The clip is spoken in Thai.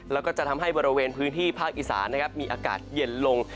แล้วก็จะทำให้บริเวณพื้นที่ภาคอีสานนะครับมีอากาศเย็นลง